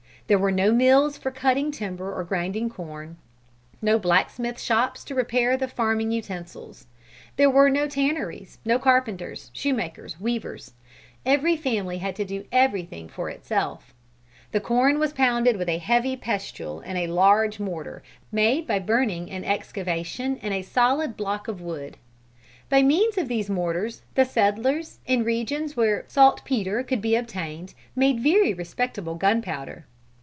There were no mills for cutting timber or grinding corn; no blacksmith shops to repair the farming utensils. There were no tanneries, no carpenters, shoemakers, weavers. Every family had to do everything for itself. The corn was pounded with a heavy pestle in a large mortar made by burning an excavation in a solid block of wood. By means of these mortars the settlers, in regions where saltpetre could be obtained, made very respectable gunpowder.